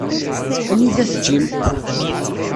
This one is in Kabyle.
Anida-t Jim?